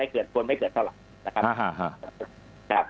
ควรไม่เกินเท่าไหร่